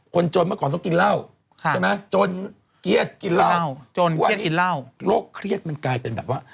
คนจนเมื่อก่อนต้องกินเหล้าใช่ไหมจนเกลียดกินเหล้าจนทุกวันนี้โรคเครียดมันกลายเป็นแบบว่า